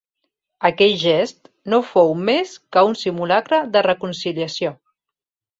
Aquell gest no fou més que un simulacre de reconciliació.